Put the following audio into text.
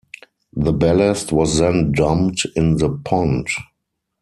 The ballast was then dumped in the pond.